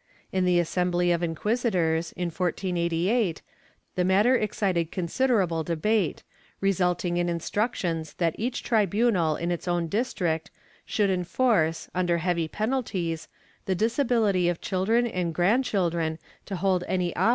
^ In the assembly of inquisitors, in 1488, the matter excited considerable debate, resulting in instructions that each tribunal in its own district should enforce, under heavy penalties, the disabihty of children and grandchildren to hold any office or » HuiUard Br^hoUes, Hist.